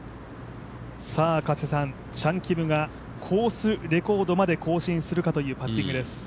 チャン・キムがコースレコードまで更新するかというパッティングです。